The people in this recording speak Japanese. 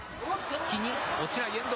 引きに、落ちない遠藤。